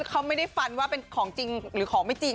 เขาไม่ได้ฟันว่าเป็นของจริงหรือของไม่จริง